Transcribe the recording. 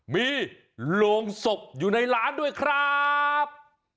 มีโรงศพอยู่ในร้านด้วยครับ